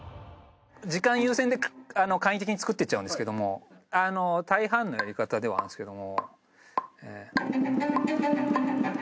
時間優先で簡易的に作ってっちゃうんですけども大半のやり方ではあるんですけども。